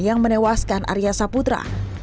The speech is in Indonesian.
yang menewaskan arya sapudra